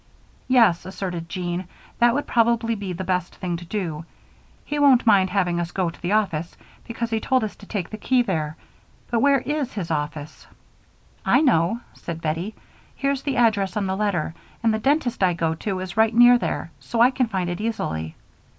"Yes," assented Jean, "that would probably be the best thing to do. He won't mind having us go to the office because he told us to take the key there. But where is his office?" "I know," said Bettie. "Here's the address on the letter, and the dentist I go to is right near there, so I can find it easily."